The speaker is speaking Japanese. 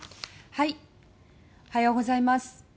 おはようございます。